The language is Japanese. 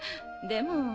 でも。